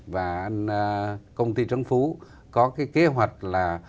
và công ty trấn phú có cái kế hoạch là